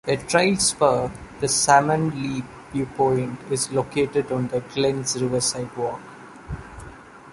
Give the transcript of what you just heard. A trail spur, the salmon leap viewpoint, is located on the glen's Riverside Walk.